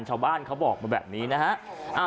ชาวบ้านเขาบอกมาแบบนี้นะฮะ